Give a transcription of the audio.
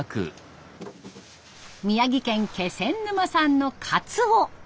宮城県気仙沼産のカツオ。